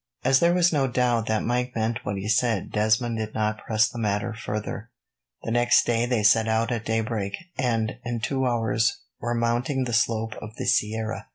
As there was no doubt that Mike meant what he said, Desmond did not press the matter further. The next day they set out at daybreak, and, in two hours, were mounting the slope of the sierra.